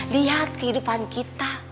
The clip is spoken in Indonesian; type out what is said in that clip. liat kehidupan kita